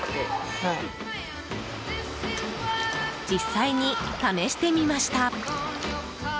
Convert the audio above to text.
実際に試してみました。